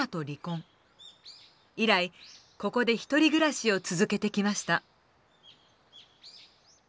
以来ここで１人暮らしを続けてきました。